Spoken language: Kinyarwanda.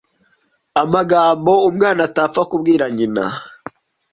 amagambo umwana atapfa kubwira nyina.